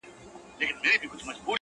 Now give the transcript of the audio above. • چي آباد وي پر نړۍ جاهل قومونه -